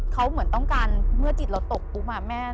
เขาเหมือนต้องการเมื่อจิตเราตกปุ๊บ